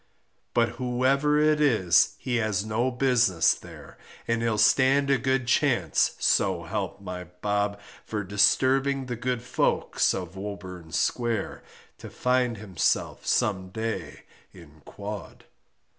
But whoever it is he has no business there, And he'll stand a good chance, so help my bob, For disturbing the good folks of Woburn Square, To find himself some day in quod.